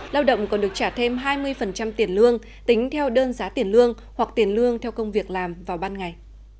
lao động còn được trả thêm hai mươi tiền lương tính theo đơn giá tiền lương hoặc tiền lương theo công việc làm vào ban ngày